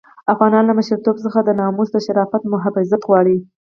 افغانان له مشرتوب څخه د ناموس د شرافت محافظت غواړي.